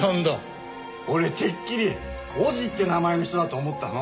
俺てっきり「尾字」って名前の人だと思ったの。